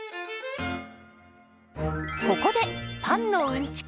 ここでパンのうんちく